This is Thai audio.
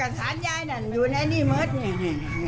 เนี่ยเอกสารยายนั่นอยู่ในนี่เมิดเนี่ย